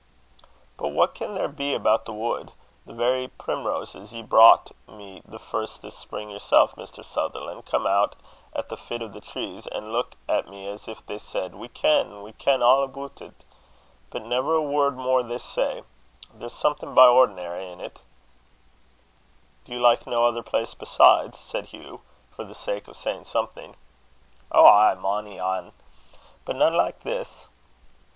"But what can there be about the wood? The very primroses ye brocht me the first this spring yersel', Mr. Sutherland come out at the fit o' the trees, and look at me as if they said, 'We ken we ken a' aboot it;' but never a word mair they say. There's something by ordinar' in't." "Do you like no other place besides?" said Hugh, for the sake of saying something. "Ou ay, mony ane; but nane like this."